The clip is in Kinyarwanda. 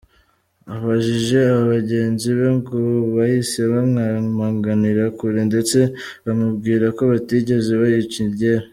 Abajije aba bagenzi be, ngo bahise bamwamaganira kure ndetse bamubwira ko batigeze bayica iryera.